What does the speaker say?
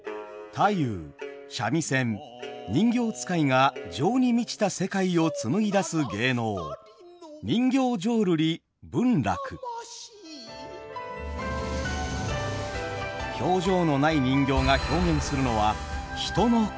太夫三味線人形遣いが「情」に満ちた世界を紡ぎ出す芸能表情のない人形が表現するのは人の心。